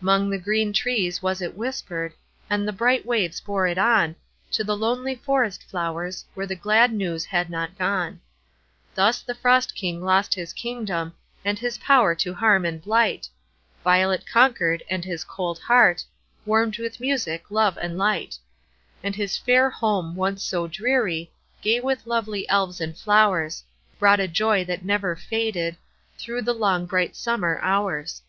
'Mong the green trees was it whispered, And the bright waves bore it on To the lonely forest flowers, Where the glad news had not gone. Thus the Frost King lost his kingdom, And his power to harm and blight. Violet conquered, and his cold heart Warmed with music, love, and light; And his fair home, once so dreary, Gay with lovely Elves and flowers, Brought a joy that never faded Through the long bright summer hours.